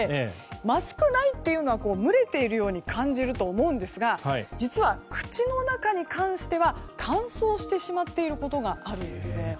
マスク内は蒸れているように感じると思うんですが実は口の中に関しては乾燥してしまっていることがあるんですね。